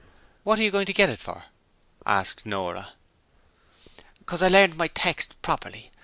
'What are you going to get it for?' asked Nora. ''Cause I learned my text properly.